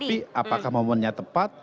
tapi apakah momennya tepat